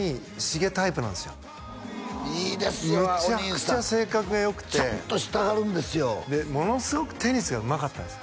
むちゃくちゃ性格がよくてちゃんとしてはるんですよでものすごくテニスがうまかったんです